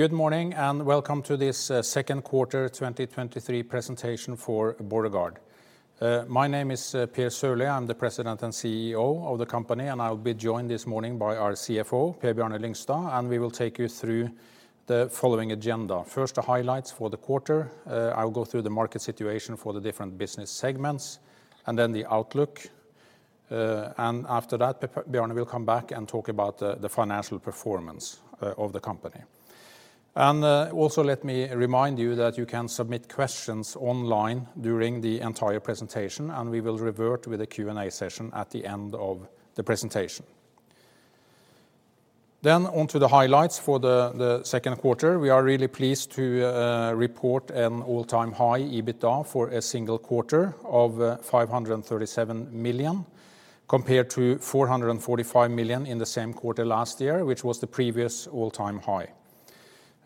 Good morning, and welcome to this second quarter 2023 presentation for Borregaard. My name is Per Sørlie. I'm the President and CEO of the company, and I'll be joined this morning by our CFO, Per-Bjarne Lyngstad, and we will take you through the following agenda. First, the highlights for the quarter. I will go through the market situation for the different business segments, and then the outlook. After that, Per-Bjarne will come back and talk about the financial performance of the company. Also let me remind you that you can submit questions online during the entire presentation, and we will revert with a Q&A session at the end of the presentation. On to the highlights for the second quarter. We are really pleased to report an all-time high EBITDA for a single quarter of 537 million, compared to 445 million in the same quarter last year, which was the previous all-time high.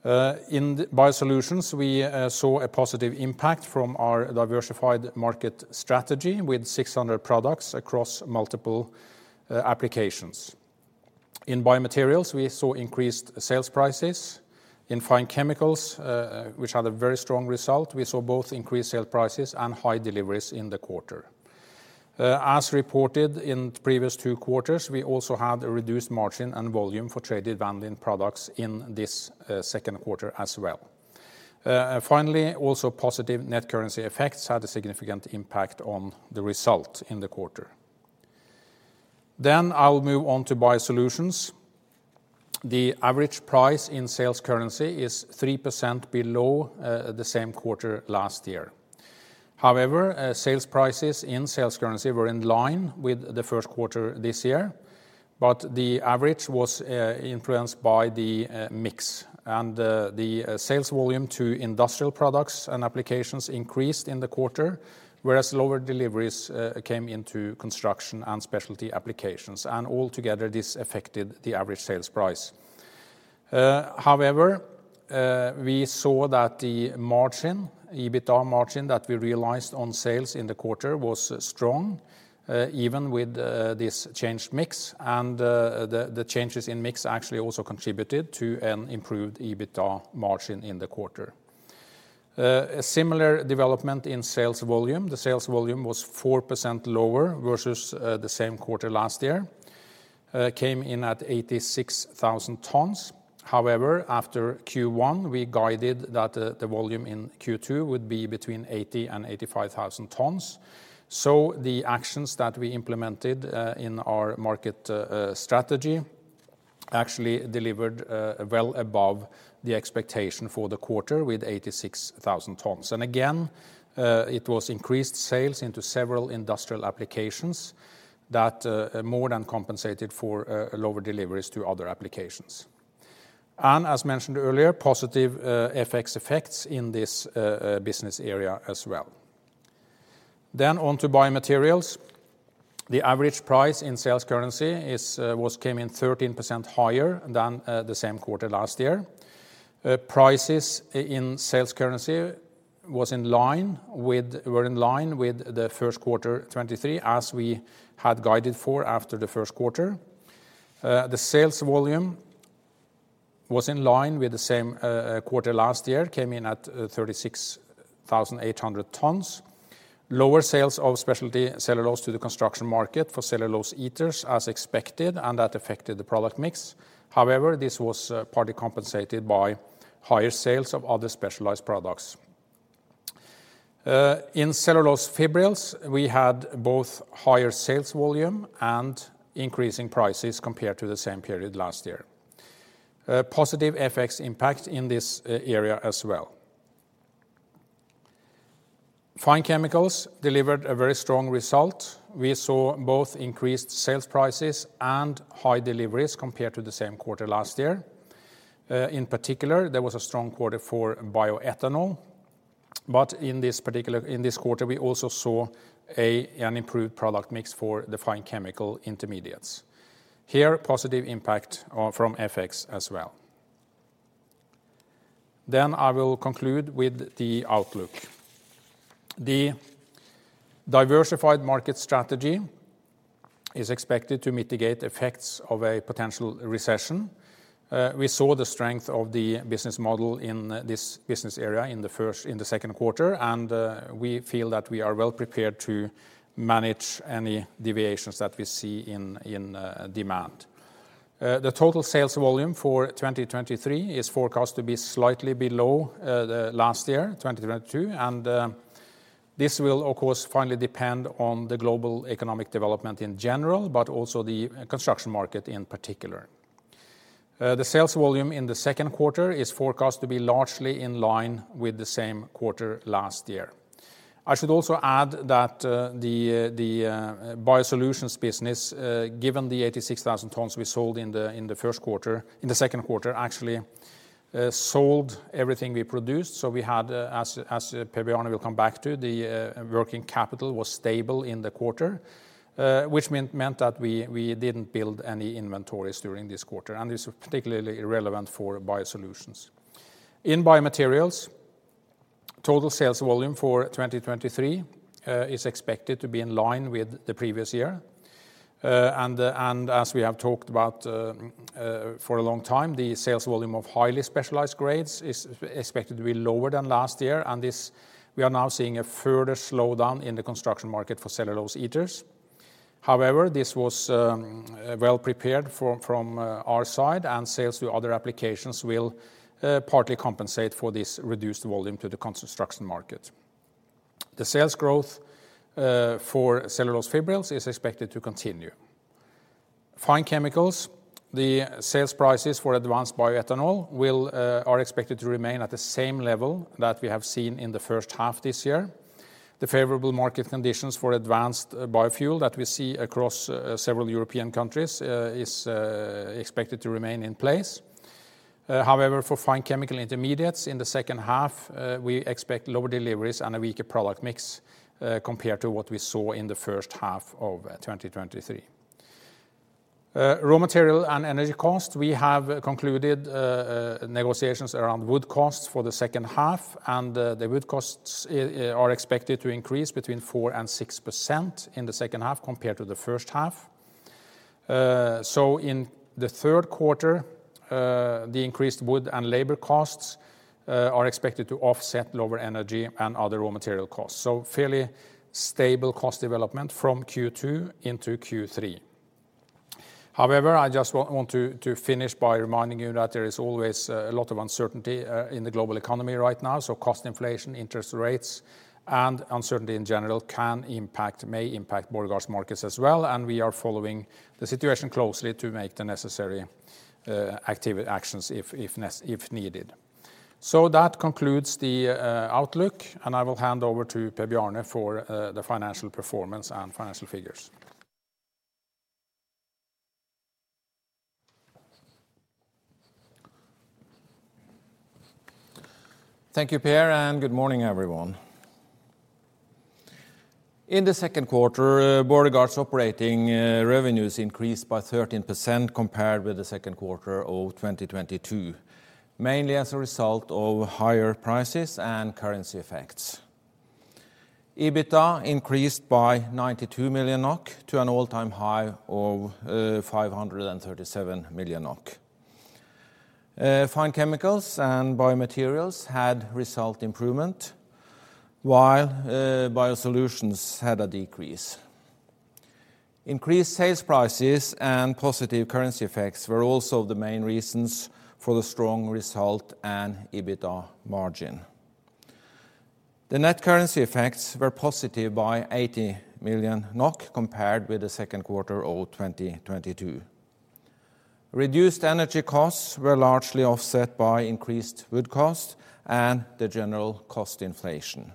In the BioSolutions, we saw a positive impact from our diversified market strategy, with 600 products across multiple applications. In BioMaterials, we saw increased sales prices. In Fine Chemicals, which had a very strong result, we saw both increased sale prices and high deliveries in the quarter. As reported in the previous two quarters, we also had a reduced margin and volume for traded vanillin products in this second quarter as well. Finally, also positive net currency effects had a significant impact on the result in the quarter. I will move on to BioSolutions. The average price in sales currency is 3% below the same quarter last year. However, sales prices in sales currency were in line with the first quarter this year, but the average was influenced by the mix, and the sales volume to industrial products and applications increased in the quarter, whereas lower deliveries came into construction and specialty applications, and altogether, this affected the average sales price. However, we saw that the margin, EBITDA margin, that we realized on sales in the quarter was strong, even with this changed mix, and the changes in mix actually also contributed to an improved EBITDA margin in the quarter. A similar development in sales volume. The sales volume was 4% lower versus the same quarter last year, came in at 86,000 tons. After Q1, we guided that the volume in Q2 would be between 80,000 and 85,000 tons. The actions that we implemented in our market strategy actually delivered well above the expectation for the quarter with 86,000 tons. Again, it was increased sales into several industrial applications that more than compensated for lower deliveries to other applications. As mentioned earlier, positive FX effects in this business area as well. On to BioMaterials. The average price in sales currency came in 13% higher than the same quarter last year. Prices in sales currency were in line with the first quarter 23, as we had guided for after the first quarter. The sales volume was in line with the same quarter last year, came in at 36,800 tons. Lower sales of specialty cellulose to the construction market for cellulose ethers, as expected, and that affected the product mix. However, this was partly compensated by higher sales of other specialized products. In cellulose fibrils, we had both higher sales volume and increasing prices compared to the same period last year. Positive FX impact in this area as well. Fine Chemicals delivered a very strong result. We saw both increased sales prices and high deliveries compared to the same quarter last year. In particular, there was a strong quarter for bioethanol, but in this quarter, we also saw an improved product mix for the fine chemical intermediates. Here, positive impact from FX as well. I will conclude with the outlook. The diversified market strategy is expected to mitigate effects of a potential recession. We saw the strength of the business model in this business area in the second quarter, and we feel that we are well prepared to manage any deviations that we see in demand. The total sales volume for 2023 is forecast to be slightly below the last year, 2022, and this will, of course, finally depend on the global economic development in general, but also the construction market in particular. The sales volume in the second quarter is forecast to be largely in line with the same quarter last year. I should also add that the BioSolutions business, given the 86,000 tons we sold in the second quarter, actually, sold everything we produced. We had, as Per-Bjarne will come back to, the working capital was stable in the quarter, which meant that we didn't build any inventories during this quarter, and this is particularly relevant for BioSolutions. Total sales volume for 2023 is expected to be in line with the previous year. As we have talked about for a long time, the sales volume of highly specialized grades is expected to be lower than last year, and this, we are now seeing a further slowdown in the construction market for cellulose ethers. However, this was well prepared from our side, sales to other applications will partly compensate for this reduced volume to the construction market. The sales growth for cellulose fibrils is expected to continue. Fine Chemicals, the sales prices for advanced bioethanol are expected to remain at the same level that we have seen in the H1 this year. The favorable market conditions for advanced biofuel that we see across several European countries is expected to remain in place. However, for fine chemical intermediates, in the H2, we expect lower deliveries and a weaker product mix compared to what we saw in the H1 of 2023. Raw material and energy cost, we have concluded negotiations around wood costs for the H2, and the wood costs are expected to increase between 4% and 6% in the H2 compared to the H1. In the third quarter, the increased wood and labor costs are expected to offset lower energy and other raw material costs, so fairly stable cost development from Q2 into Q3. However, I just want to finish by reminding you that there is always a lot of uncertainty in the global economy right now, so cost inflation, interest rates, and uncertainty in general can impact, may impact Borregaard's markets as well, and we are following the situation closely to make the necessary actions if needed. That concludes the outlook, and I will hand over to Per-Bjarne for the financial performance and financial figures. Thank you, Per, and good morning, everyone. In the second quarter, Borregaard's operating revenues increased by 13% compared with the second quarter of 2022, mainly as a result of higher prices and currency effects. EBITDA increased by 92 million NOK to an all-time high of 537 million NOK. Fine Chemicals and BioMaterials had result improvement, while BioSolutions had a decrease. Increased sales prices and positive currency effects were also the main reasons for the strong result and EBITDA margin. The net currency effects were positive by 80 million NOK, compared with the second quarter of 2022. Reduced energy costs were largely offset by increased wood costs and the general cost inflation.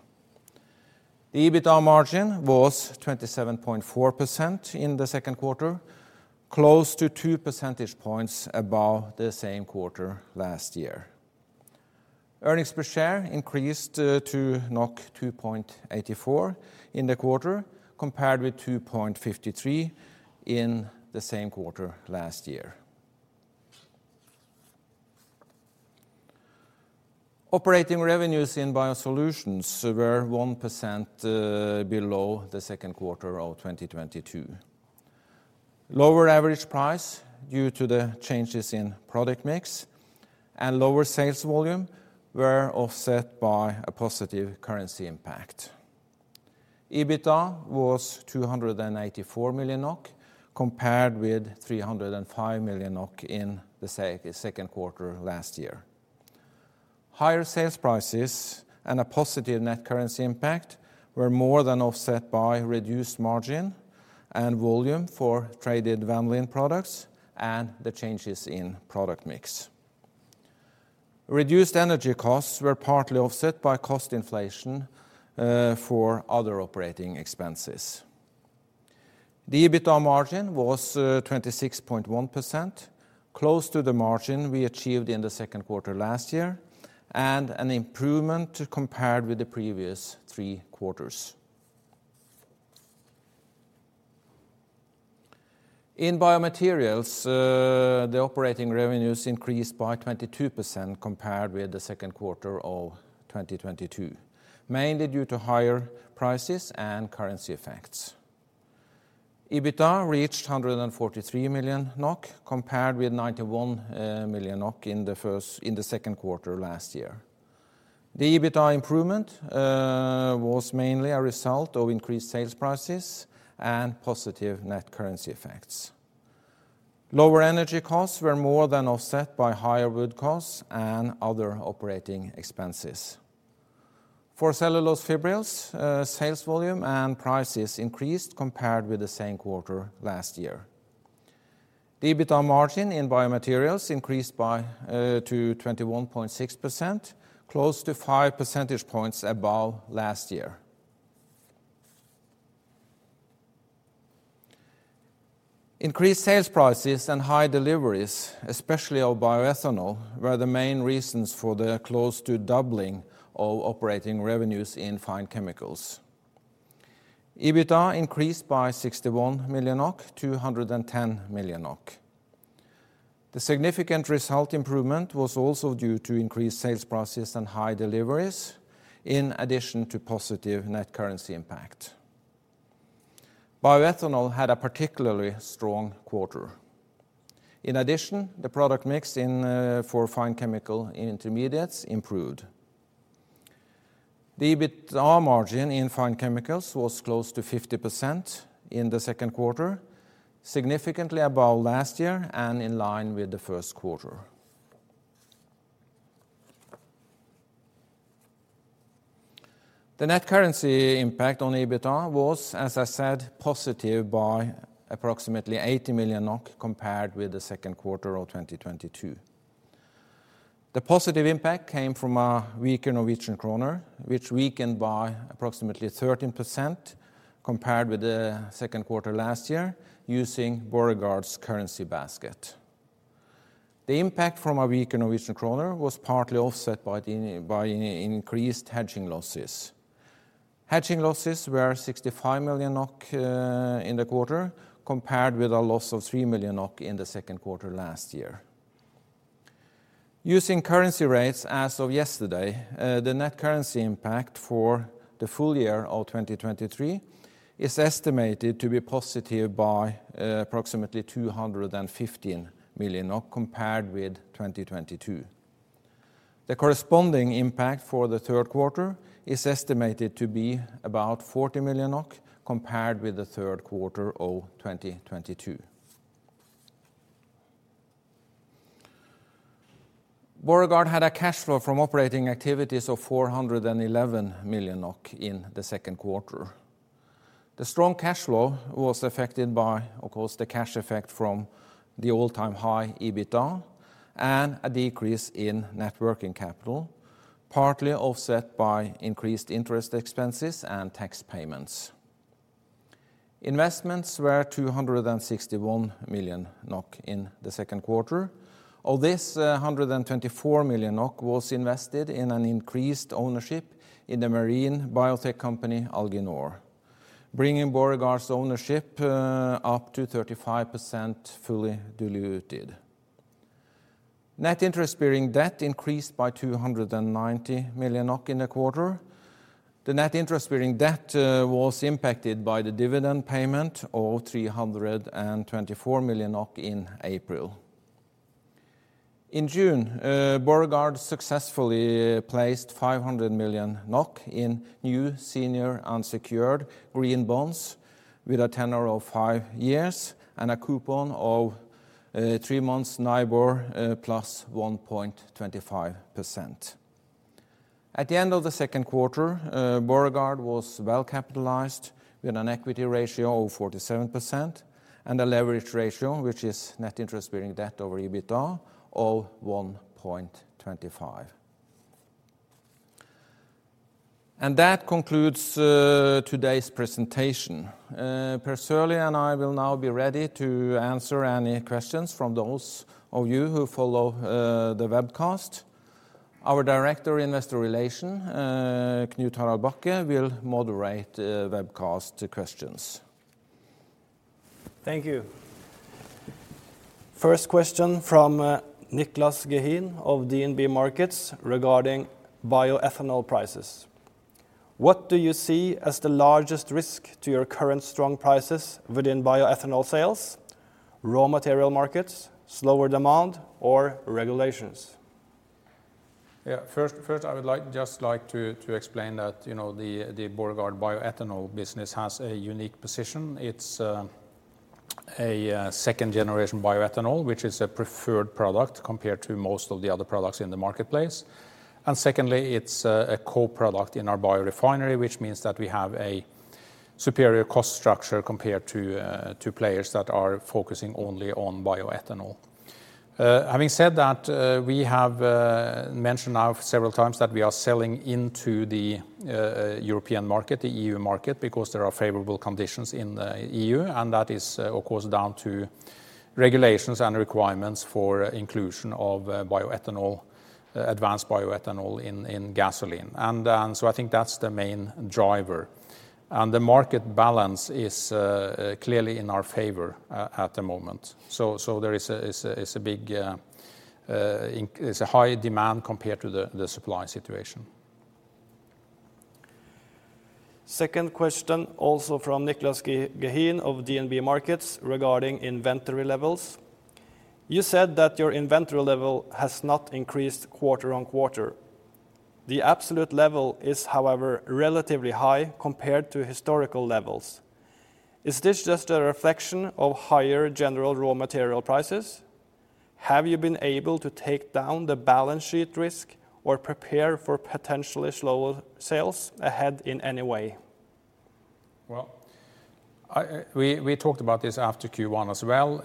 The EBITDA margin was 27.4% in the second quarter, close to 2 percentage points above the same quarter last year. Earnings per share increased to 2.84 in the quarter, compared with 2.53 in the same quarter last year. Operating revenues in BioSolutions were 1% below the second quarter of 2022. Lower average price, due to the changes in product mix and lower sales volume, were offset by a positive currency impact. EBITDA was 284 million NOK, compared with 305 million NOK in the second quarter last year. Higher sales prices and a positive net currency impact were more than offset by reduced margin and volume for traded vanillin products and the changes in product mix. Reduced energy costs were partly offset by cost inflation for other operating expenses. The EBITDA margin was 26.1%, close to the margin we achieved in the second quarter last year, and an improvement compared with the previous three quarters. In BioMaterials, the operating revenues increased by 22% compared with the second quarter of 2022, mainly due to higher prices and currency effects. EBITDA reached 143 million NOK, compared with 91 million NOK in the second quarter last year. The EBITDA improvement was mainly a result of increased sales prices and positive net currency effects. Lower energy costs were more than offset by higher wood costs and other operating expenses. For cellulose fibrils, sales volume and prices increased compared with the same quarter last year. The EBITDA margin in BioMaterials increased by to 21.6%, close to 5 percentage points above last year. Increased sales prices and high deliveries, especially of bioethanol, were the main reasons for the close to doubling of operating revenues in Fine Chemicals. EBITDA increased by 61 million to 110 million. The significant result improvement was also due to increased sales prices and high deliveries, in addition to positive net currency impact. Bioethanol had a particularly strong quarter. In addition, the product mix in for fine chemical intermediates improved. The EBITDA margin in Fine Chemicals was close to 50% in the second quarter, significantly above last year and in line with the first quarter. The net currency impact on EBITDA was, as I said, positive by approximately 80 million NOK compared with the second quarter of 2022. The positive impact came from a weaker Norwegian kroner, which weakened by approximately 13% compared with the second quarter last year, using Borregaard's currency basket. The impact from a weaker Norwegian kroner was partly offset by increased hedging losses. Hedging losses were 65 million NOK in the quarter, compared with a loss of 3 million NOK in the second quarter last year. Using currency rates as of yesterday, the net currency impact for the full year of 2023 is estimated to be positive by approximately 215 million compared with 2022. The corresponding impact for the third quarter is estimated to be about 40 million NOK compared with the third quarter of 2022. Borregaard had a cash flow from operating activities of 411 million NOK in the second quarter. The strong cash flow was affected by, of course, the cash effect from the all-time high EBITDA and a decrease in net working capital, partly offset by increased interest expenses and tax payments. Investments were 261 million NOK in the second quarter. Of this, 124 million NOK was invested in an increased ownership in the marine biotech company Alginor, bringing Borregaard's ownership up to 35%, fully diluted. Net interest-bearing debt increased by 290 million in the quarter. The net interest-bearing debt was impacted by the dividend payment of 324 million in April. In June, Borregaard successfully placed 500 million NOK in new senior unsecured green bonds with a tenure of fi ve years and a coupon of three months NIBOR plus 1.25%.At the end of the second quarter, Borregaard was well capitalized, with an equity ratio of 47% and a leverage ratio, which is net interest-bearing debt over EBITDA, of 1.25. That concludes today's presentation. Per Sørlie and I will now be ready to answer any questions from those of you who follow the webcast. Our Director Investor Relations, Knut Harald Bakke, will moderate webcast questions. Thank you. First question from Niclas Gehin of DNB Markets regarding bioethanol prices: What do you see as the largest risk to your current strong prices within bioethanol sales? Raw material markets, slower demand, or regulations? Yeah, first, I would just like to explain that, you know, the Borregaard bioethanol business has a unique position. It's a second-generation bioethanol, which is a preferred product compared to most of the other products in the marketplace. Secondly, it's a co-product in our biorefinery, which means that we have a superior cost structure compared to players that are focusing only on bioethanol. Having said that, we have mentioned now several times that we are selling into the European market, the EU market, because there are favorable conditions in the EU, and that is, of course, down to regulations and requirements for inclusion of bioethanol, advanced bioethanol in gasoline. So I think that's the main driver. The market balance is clearly in our favor at the moment. There's a high demand compared to the supply situation. Second question, also from Niclas Gehin of DNB Markets, regarding inventory levels: You said that your inventory level has not increased quarter-on-quarter. The absolute level is, however, relatively high compared to historical levels. Is this just a reflection of higher general raw material prices? Have you been able to take down the balance sheet risk or prepare for potentially slower sales ahead in any way? Well, I... We talked about this after Q1 as well.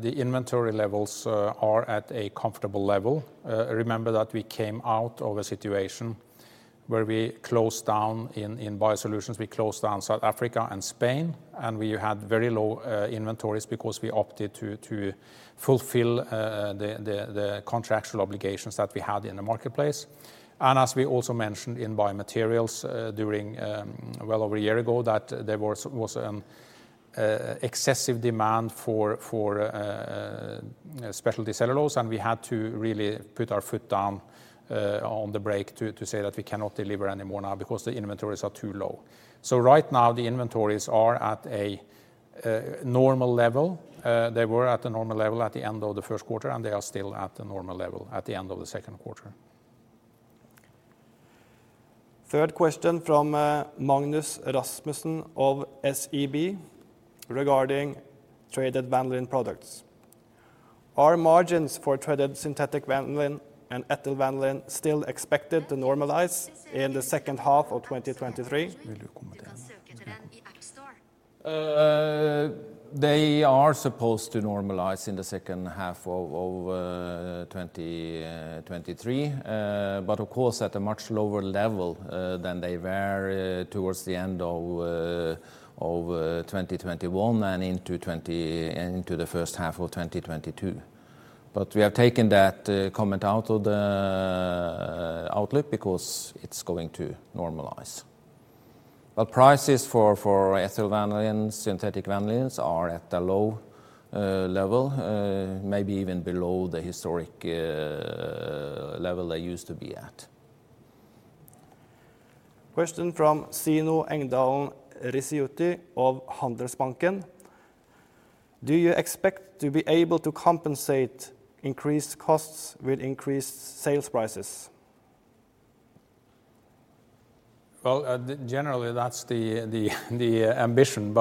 The inventory levels are at a comfortable level. Remember that we came out of a situation where we closed down in BioSolutions, we closed down South Africa and Spain, and we had very low inventories because we opted to fulfill the contractual obligations that we had in the marketplace. As we also mentioned in BioMaterials, during, well, over a year ago, that there was excessive demand for specialty cellulose. We had to really put our foot down on the brake to say that we cannot deliver anymore now because the inventories are too low. Right now, the inventories are at a normal level. They were at a normal level at the end of the first quarter. They are still at a normal level at the end of the second quarter. Third question from Magnus Rasmussen of SEB regarding traded vanillin products: Are margins for traded synthetic vanillin and ethyl vanillin still expected to normalize in the H2 of 2023? They are supposed to normalize in the H2 of 2023. Of course, at a much lower level than they were towards the end of 2021 and into the H1 of 2022. We have taken that comment out of the outlook, because it's going to normalize. Prices for ethyl vanillins, synthetic vanillins, are at a low level, maybe even below the historic level they used to be at. Question from Anne Gjøen of Handelsbanken: Do you expect to be able to compensate increased costs with increased sales prices? Well, generally, that's the ambition.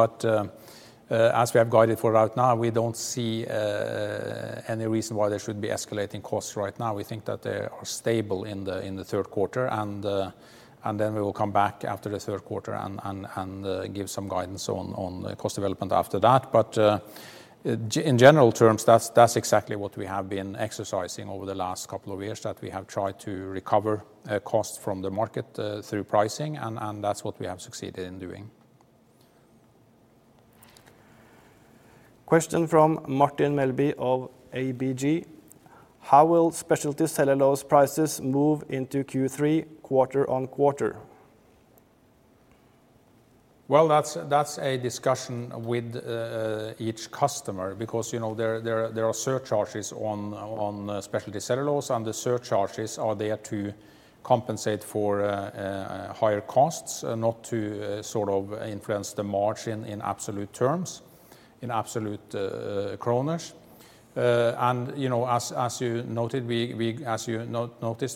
As we have guided for right now, we don't see any reason why there should be escalating costs right now. We think that they are stable in the third quarter, and then we will come back after the third quarter and give some guidance on the cost development after that. In general terms, that's exactly what we have been exercising over the last couple of years, that we have tried to recover costs from the market through pricing, and that's what we have succeeded in doing. Question from Martin Melbye of ABG: How will specialty cellulose prices move into Q3, quarter on quarter? Well, that's a discussion with each customer, because, you know, there are surcharges on specialty cellulose, and the surcharges are there to compensate for higher costs, not to sort of influence the margin in absolute terms, in absolute kroner. You know, as you noted,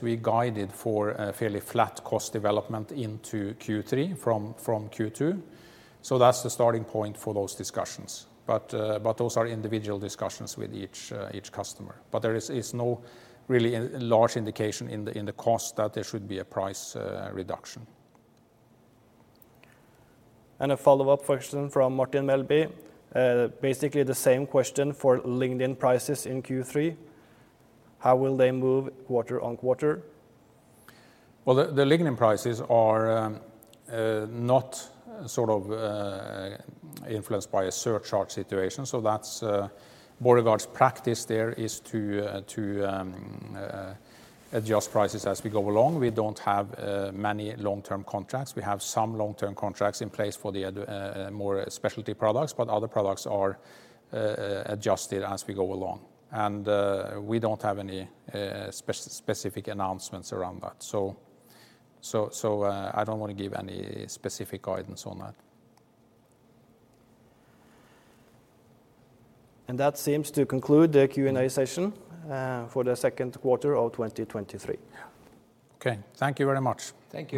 we guided for a fairly flat cost development into Q3 from Q2, so that's the starting point for those discussions. Those are individual discussions with each customer. There is no really large indication in the cost that there should be a price reduction. A follow-up question from Martin Melbye. Basically the same question for lignin prices in Q3, how will they move quarter on quarter? The lignin prices are not sort of influenced by a surcharge situation, so that's Borregaard practice there is to adjust prices as we go along. We don't have many long-term contracts. We have some long-term contracts in place for the more specialty products, but other products are adjusted as we go along. We don't have any specific announcements around that, so I don't want to give any specific guidance on that. That seems to conclude the Q&A session for the second quarter of 2023. Okay, thank you very much. Thank you.